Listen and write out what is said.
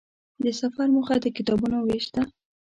د سفر موخه د کتابونو وېش وه.